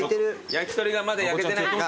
焼き鳥がまだ焼けてない。